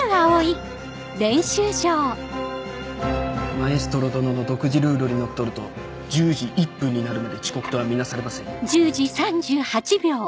マエストロ殿の独自ルールにのっとると１０時１分になるまで遅刻とは見なされません。